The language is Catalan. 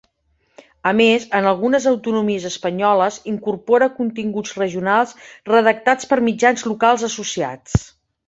A més en algunes autonomies espanyoles incorpora continguts regionals redactats per mitjans locals associats.